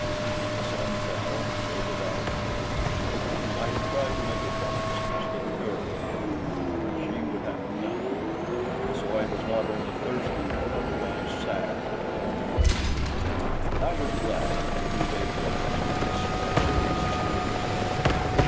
As the sun fell, so did our spirits. I had tried to make advances to the girl again; but she would have none of me, and so I was not only thirsty but otherwise sad and downhearted. I was glad when the new day broke the hideous spell of a sleepless night.